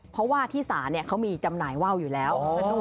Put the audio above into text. เพราะว่าที่ศาลเขามีจำหน่ายว่าวอยู่แล้ว